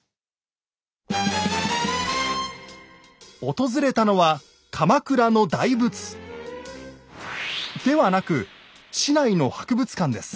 訪れたのは鎌倉の大仏ではなく市内の博物館です。